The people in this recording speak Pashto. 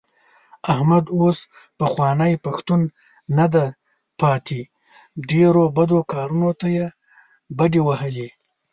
احمد اوس پخوانی پښتون نه دی پاتې. ډېرو بدو کارو ته یې بډې وهلې.